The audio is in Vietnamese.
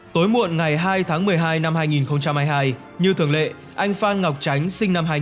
tối muộn ngày hai tháng một mươi hai năm hai nghìn hai mươi hai như thường lệ anh phan ngọc tránh sinh năm hai nghìn